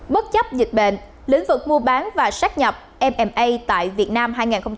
bất chấp dịch bệnh lĩnh vực mua bán và sát nhập mma tại việt nam hai nghìn hai mươi bốn